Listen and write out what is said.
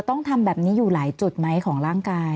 ต้องทำแบบนี้อยู่หลายจุดไหมของร่างกาย